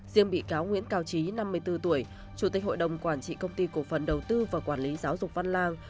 riêng bị cáo nguyễn cao trí năm mươi bốn tuổi chủ tịch hội đồng quản trị công ty cổ phần đầu tư và quản lý giáo dục văn lang